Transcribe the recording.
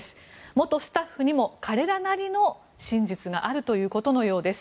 元スタッフにも彼らなりの真実があるということのようです。